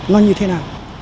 nó như thế nào